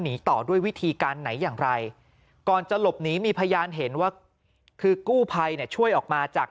ต่อด้วยวิธีการไหนอย่างไรก่อนจะหลบหนีมีพยานเห็นว่าคือกู้ภัยเนี่ยช่วยออกมาจาก